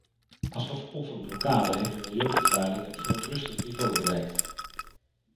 Als gevolg van de blokkade heeft de milieuvervuiling een verontrustend niveau bereikt.